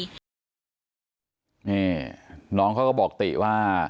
นี่น้องเขาก็บอกติว่า